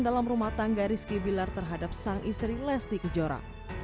dalam rumah tangga rizky bilar terhadap sang istri lesti kejora